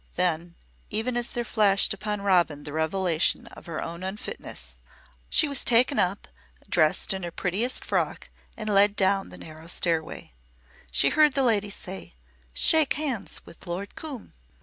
Then even as there flashed upon Robin the revelation of her own unfitness came a knock at the door. She was taken up, dressed in her prettiest frock and led down the narrow stairway. She heard the Lady say: "Shake hands with Lord Coombe."